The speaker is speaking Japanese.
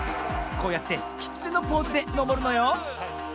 こうやってきつねのポーズでのぼるのよ。